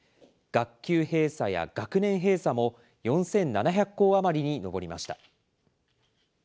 学級閉鎖や学年閉鎖も４７００校余りに上りました。